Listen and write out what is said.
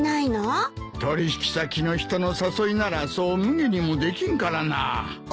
取引先の人の誘いならそうむげにもできんからなあ。